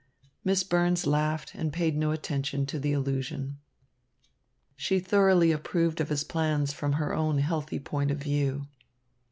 Miss Burns laughed and paid no attention to the allusion. She thoroughly approved of his plans from her own healthy point of view.